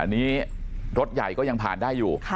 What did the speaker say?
อันนี้รถใหญ่ก็ยังผ่านได้อยู่